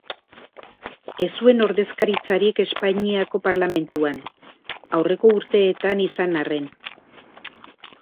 Ez zuen ordezkaritzarik Espainiako Parlamentuan, aurreko urteetan izan arren.